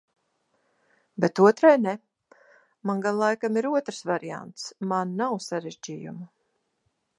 Bet otrai ne. Man gan laikam ir otrs variants-man nav sarežģījumu.